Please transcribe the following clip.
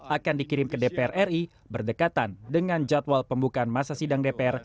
akan dikirim ke dpr ri berdekatan dengan jadwal pembukaan masa sidang dpr